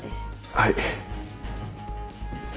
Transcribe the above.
はい。